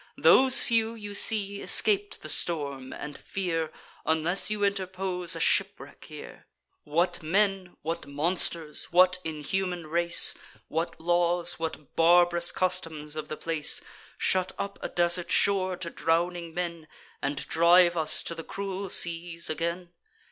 Those few you see escap'd the storm, and fear, Unless you interpose, a shipwreck here. What men, what monsters, what inhuman race, What laws, what barb'rous customs of the place, Shut up a desert shore to drowning men, And drive us to the cruel seas again?